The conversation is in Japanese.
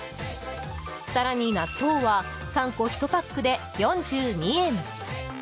更に納豆は３個１パックで４２円。